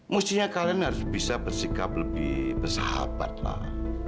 mestinya kalian harus bisa bersikap lebih bersahabatlah